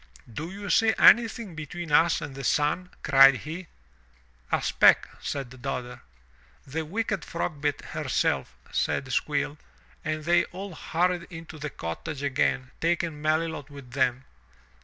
"Do you see anything between us and the sun?" cried he. ''A speck/' said Dodder. 'The wicked Frogbit herself," said Squill, and they all hurried into the cottage again taking Melilot with them.